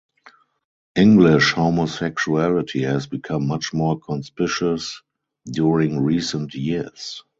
English homosexuality has become much more conspicuous during recent years.